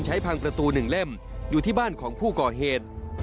พังประตู๑เล่มอยู่ที่บ้านของผู้ก่อเหตุ